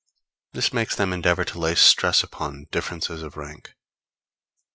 This makes them endeavor to lay stress upon differences of rank.